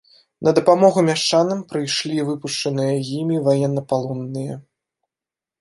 На дапамогу мяшчанам прыйшлі выпушчаныя імі ваеннапалонныя.